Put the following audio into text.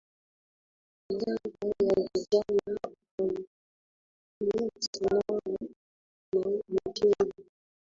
Wizara ya Vijana Utamaduni Sanaa na Michezo